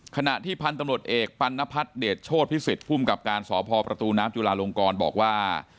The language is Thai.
ขณะที่พันธุ์ตำรวจเอกปัณพัฒน์เดชโชธพิสิทธิภูมิกับการสพประตูน้ำจุลาลงกรบอกว่า